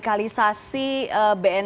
kita harus memiliki